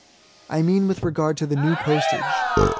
I mean with regard to the New Postage.